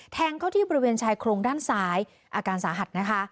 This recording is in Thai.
แทงเข้าที่บริเวณชายโครงด้านซ้ายอาการสาหัสนะคะ